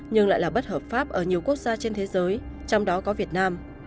nhưng lại là bất hợp pháp ở nhiều quốc gia trên thế giới trong đó có việt nam